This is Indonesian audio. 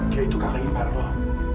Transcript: dia itu kakak impar loh